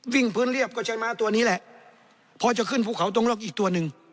วิ่งพื้นเรียบก็ใช้ม้าตัวนี้แหละพอจะขึ้นภูเขาตรงลอกอีกตัวหนึ่ง